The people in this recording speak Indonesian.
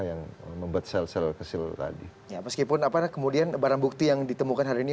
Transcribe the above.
yang membuat sel sel kecil tadi ya meskipun apa kemudian barang bukti yang ditemukan hari ini